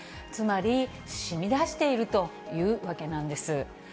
つまり、染み出しているというわけなんです。